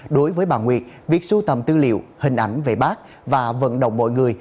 đối với bà nguyệt việc sưu tầm tư liệu hình ảnh về bác và vận động mọi người